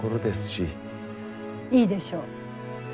いいでしょう。